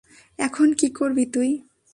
এখন কী করবি তুই?